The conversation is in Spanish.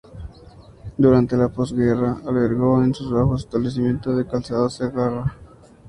Durante la posguerra, albergó en sus bajos el establecimiento de Calzados Segarra.